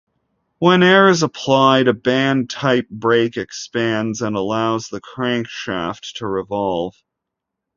When air is applied, a band-type brake expands and allows the crankshaft to revolve.